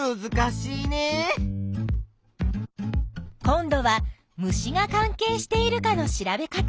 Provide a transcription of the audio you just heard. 今度は虫が関係しているかの調べ方。